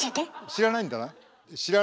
知らないんだな？